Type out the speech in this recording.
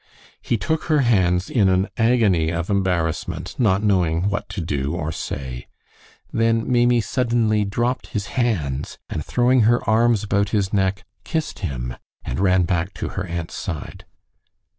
He took her hands in an agony of embarrassment, not knowing what to do or say. Then Maimie suddenly dropped his hands, and throwing her arms about his neck, kissed him, and ran back to her aunt's side.